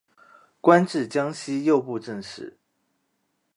官至江西右布政使。